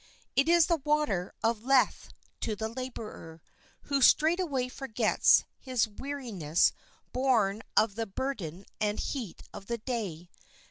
It is the water of Lethe to the laborer, who straightway forgets his weariness born of the burden and heat of the day.